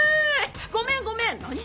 ごめんごめん何様？